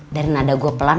dari nada gue pelan